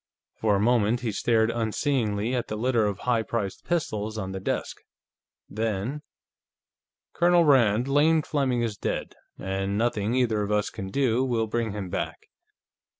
For a moment, he stared unseeingly at the litter of high priced pistols on the desk. Then: "Colonel Rand, Lane Fleming is dead, and nothing either of us can do will bring him back.